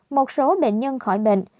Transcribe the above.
một số bệnh nhân khỏi bệnh